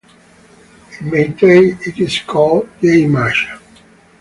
In Meitei, it is called "Yai-macha".